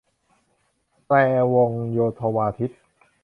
แตรวงโยธวาทิต